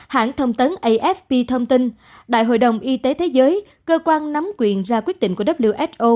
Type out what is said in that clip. hãng thông tấn afp thông tin đại hội đồng y tế thế giới cơ quan nắm quyền ra quyết định của who